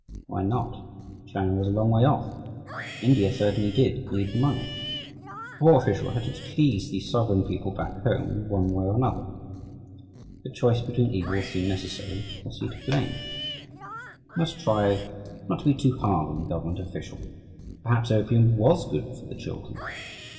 Why not? China was a long way off and India certainly did need the money. The poor official had to please the sovereign people back home, one way or another. If a choice between evils seemed necessary, was he to blame? We must try not to be too hard on the government official. Perhaps opium was good for children.